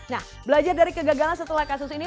nah belajar dari kegagalan setelah kasus ini